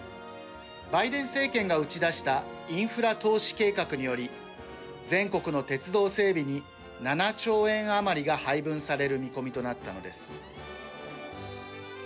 バイデン政権が打ち出したインフラ投資計画により全国の鉄道整備に７兆円余りが配分される見込みとなったのです。